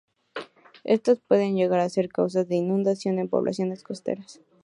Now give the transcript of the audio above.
Estas pueden llegar a ser causas de inundaciones en poblaciones costeras.